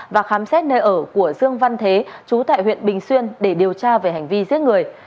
và khám xét nơi ở của dương văn thế chú tại huyện bình xuyên để điều tra về hành vi giết người